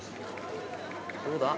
どうだ？